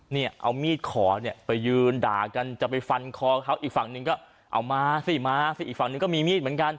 เนี่ยเอามีดขอเนี่ยไปยืนด่ากันจะไปฟันคอเขาอีกฝั่งหนึ่งก็เอามาสิมาสิอีกฝั่งนึงก็มีมีดเหมือนกัน